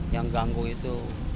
yang ganggu itu